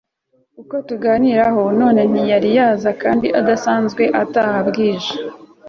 ko tuganiraho none ntiyari yaza kandi adasanzwe ataha bwije